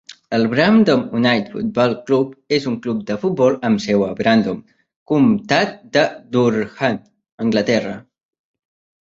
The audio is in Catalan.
El Brandon United Football Club és un club de futbol amb seu a Brandon, comtat de Durham, Anglaterra.